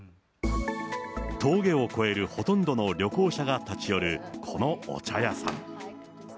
峠を越えるほとんどの旅行者が立ち寄る、このお茶屋さん。